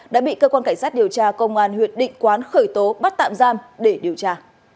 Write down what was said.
đã bị cơ quan cảnh sát điều tra công an huyện định quán khởi tố bắt tạm giam để điều tra